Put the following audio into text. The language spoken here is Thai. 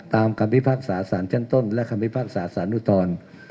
ตามความพิภาษาศาสตร์ชั้นต้นและความพิภาษาศาสตร์หนุทร